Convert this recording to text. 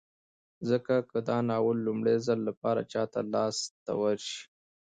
ځکه که دا ناول د لومړي ځل لپاره چاته لاس ته وشي